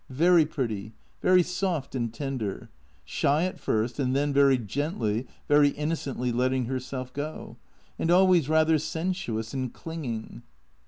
Very pretty, very soft and tender. Shy at first, and then very gently, very innocently letting her self go. And always rather sensuous and clinging."